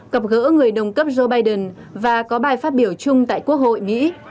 gặp gỡ người đồng cấp joe biden và có bài phát biểu chung tại quốc hội mỹ